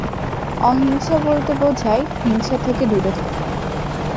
অহিংসা বলতে বোঝায় হিংসা থেকে দূরে থাকা।